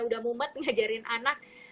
udah mumpet ngajarin anak